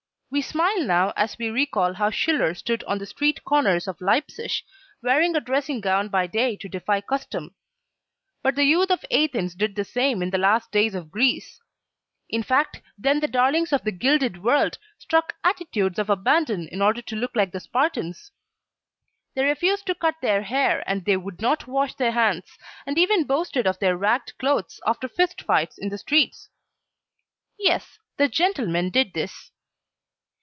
We smile now as we recall how Schiller stood on the street corners of Leipzig, wearing a dressing gown by day to defy custom; but the youth of Athens did the same in the last days of Greece. In fact then the darlings of the gilded world struck attitudes of abandon in order to look like the Spartans. They refused to cut their hair and they would not wash their hands, and even boasted of their ragged clothes after fist fights in the streets. Yes, the gentlemen did this.